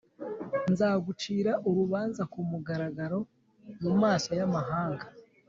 nzagucira urubanza ku mugaragaro mu maso y’amahanga